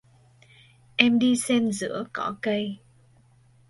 Em đi xen giữa cỏ cây